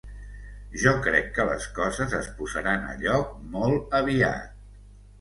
Jo crec que les coses es posaran a lloc molt aviat.